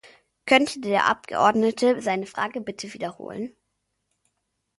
Könnte der Abgeordnete seine Frage bitte wiederholen?